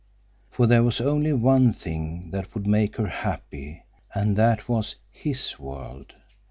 For there was only one thing that would make her happy, and that was his world.